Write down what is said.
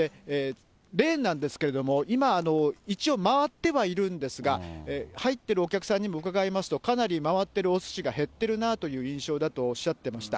レーンなんですけれども、今、一応回ってはいるんですが、入っているお客さんにも伺いますと、かなり回ってるおすしが減ってるなという印象だとおっしゃってました。